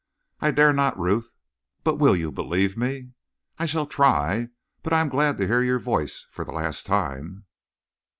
"I dare not, Ruth!" "But will you believe me?" "I shall try. But I am glad to hear your voice, for the last time."